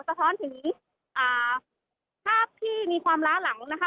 สะท้อนถึงภาพที่มีความล้าหลังนะคะ